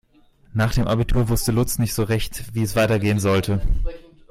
Nach dem Abitur wusste Lutz nicht so recht, wie es weitergehen sollte.